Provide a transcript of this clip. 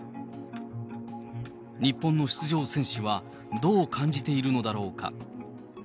日本の出場選手は、どう感じているのだろうか。